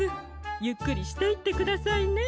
ゆっくりしていってくださいね。